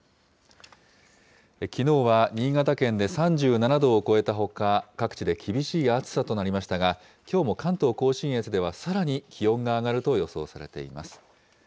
きのうは新潟県で３７度を超えたほか、各地で厳しい暑さとなりましたが、きょうも関東甲信越では、さらに気温が上がると予想されています。